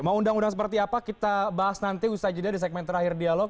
mau undang undang seperti apa kita bahas nanti usai jeda di segmen terakhir dialog